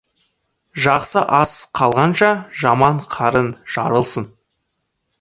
Жақсы ас қалғанша, жаман қарын жарылсын.